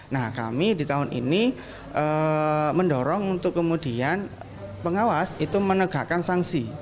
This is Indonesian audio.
nah kami di tahun ini mendorong untuk kemudian pengawas itu menegakkan sanksi